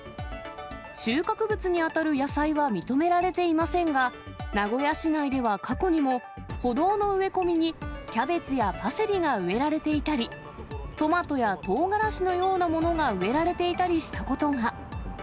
収穫物に当たる野菜は認められていませんが、名古屋市内では過去には、歩道の植え込みに、キャベツやパセリが植えられていたり、トマトやトウガラシのようなものが植えられていたりしたことが。